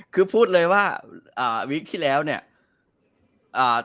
คือพูดเลยว่าวอดที่แล้วเนี่ย